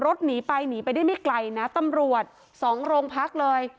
หนีไปหนีไปได้ไม่ไกลนะตำรวจสองโรงพักเลย